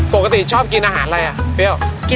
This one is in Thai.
ปกติชอบกินอาหารอะไรอ่ะเปรี้ยว